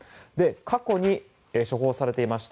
過去に処方されていました